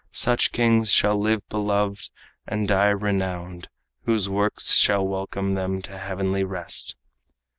Such kings shall live beloved and die renowned, Whose works shall welcome them to heavenly rest."